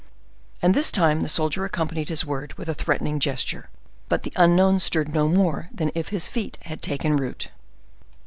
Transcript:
And this time the soldier accompanied his word with a threatening gesture; but the unknown stirred no more than if his feet had taken root.